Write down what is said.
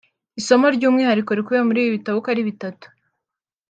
Isomo ry’umwihariko rikubiye muri ibi bitabo uko ari bitatu